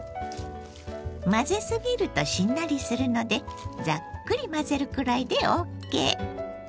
混ぜすぎるとしんなりするのでザックリ混ぜるくらいでＯＫ。